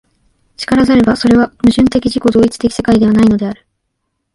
然らざれば、それは矛盾的自己同一的世界ではないのである。